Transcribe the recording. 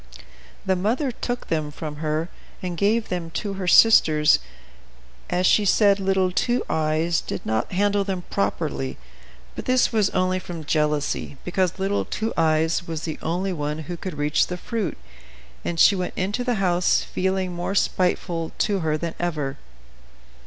The mother took them from her, and gave them to her sisters, as she said little Two Eyes did not handle them properly, but this was only from jealousy, because little Two Eyes was the only one who could reach the fruit, and she went into the house feeling more spiteful to her than ever.